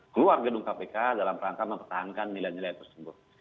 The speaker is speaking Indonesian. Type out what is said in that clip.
keluar gedung kpk dalam rangka mempertahankan nilai nilai tersebut